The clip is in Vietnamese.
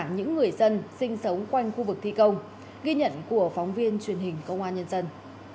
những người dân sinh sống quanh khu vực thi công ghi nhận của phóng viên truyền hình công an nhân dân